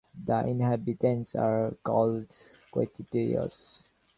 The inhabitants are called "Quettetotais".